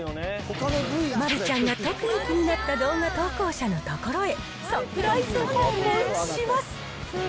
丸ちゃんが特に気になった動画投稿者の所へ、サプライズ訪問します。